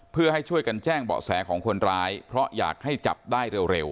เพื่อให้ช่วยกันแจ้งเบาะแสของคนร้ายเพราะอยากให้จับได้เร็ว